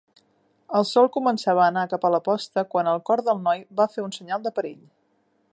El sol començava a anar cap a la posta quan el cor del noi va fer un senyal de perill.